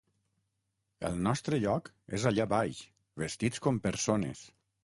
El nostre lloc és allà baix, vestits com persones!